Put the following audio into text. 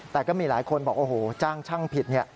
แต่ก็มีหลายคนบอกโอ้โหจ้างช่างผิดเนี่ย